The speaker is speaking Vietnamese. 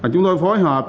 chúng tôi phối hợp